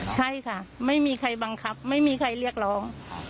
ใช่ค่ะไม่มีใครบังคับไม่มีใครเรียกร้อง